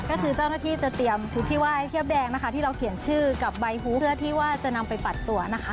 ก็คือเจ้าหน้าที่จะเตรียมทุกที่ไหว้เทียบแดงนะคะที่เราเขียนชื่อกับใบหูเพื่อที่ว่าจะนำไปปัดตัวนะคะ